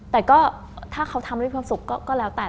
แต่ก็ถ้าเขาทำด้วยความสุขก็แล้วแต่